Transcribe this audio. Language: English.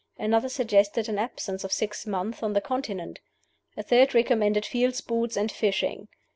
Another suggested an absence of six months on the Continent. A third recommended field sports and fishing.